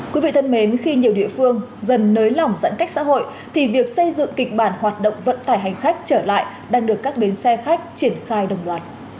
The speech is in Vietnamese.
quý vị thân mến khi nhiều địa phương dần nới lỏng giãn cách xã hội thì việc xây dựng kịch bản hoạt động vận tải hành khách trở lại đang được các bến xe khách triển khai đồng loạt